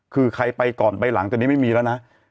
คือใครไปก่อนไปหลังจากนี้ไม่มีแล้วนะ